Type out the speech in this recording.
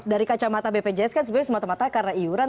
dari kacamata bpjs kan sebenarnya semata mata karena iuran